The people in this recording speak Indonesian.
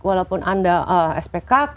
walaupun anda spkk